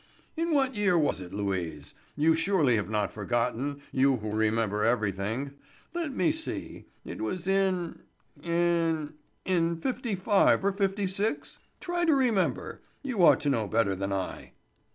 "In what year was it, Louise? You surely have not forgotten, you who remember everything. Let me see—it was in—in—in fifty five or fifty six? Try to remember. You ought to know better than I."